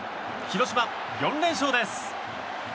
広島４連勝です。